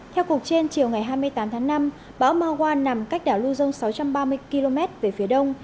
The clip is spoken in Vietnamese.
theo cuộc trên chiều ngày hai mươi tám tháng năm bão magua nằm cách đảo luzon sáu trăm ba mươi km về phía đông